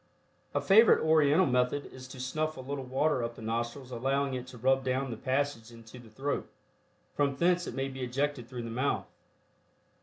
A favorite Oriental method is to snuff a little water up the nostrils allowing it to run down the passage into the throat, from thence it may be ejected through the mouth.